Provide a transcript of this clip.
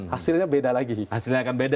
hasilnya beda lagi